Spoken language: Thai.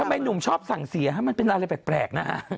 หนุ่มชอบสั่งเสียมันเป็นอะไรแปลกนะฮะ